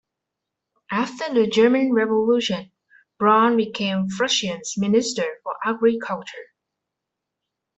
After the German Revolution Braun became Prussian Minister for Agriculture.